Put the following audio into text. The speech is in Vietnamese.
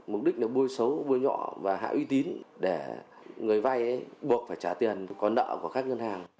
mục đích là bôi xấu bôi nhọ và hạ uy tín để người vay buộc phải trả tiền còn nợ của các ngân hàng